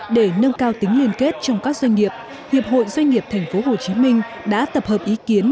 để nâng cao tính liên kết trong các doanh nghiệp hiệp hội doanh nghiệp tp hcm đã tập hợp ý kiến